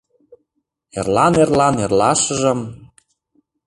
Эрлан-эрлан эрлашыжым